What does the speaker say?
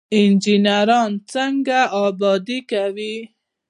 انجنیران څنګه ابادي کوي؟